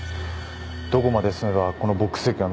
どこまで進めばこのボックス席が見える？